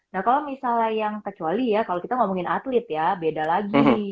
nah kalau misalnya yang kecuali ya kalau kita ngomongin atlet ya beda lagi